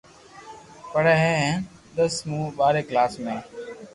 پڙي ھي ھين دس مون ٻاري ڪلاس ۾